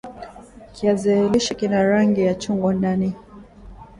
Kiazi lishe kina rangi ya chungwa ndani